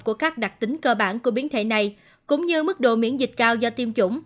của các đặc tính cơ bản của biến thể này cũng như mức độ miễn dịch cao do tiêm chủng